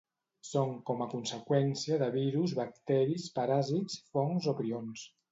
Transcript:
Són com a conseqüència de virus, bacteris, paràsits, fongs o prions.